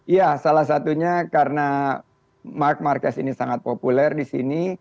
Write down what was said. ya salah satunya karena mark marquez ini sangat populer di sini